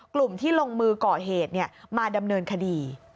กลุ่มที่ลงมือก่อเหตุมาดำเนินคดี